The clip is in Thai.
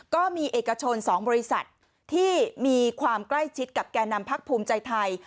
ก็มีเอกชน๒บริษัทที่มีความใกล้ชิดกับแก่นำพักภูมิใจไทย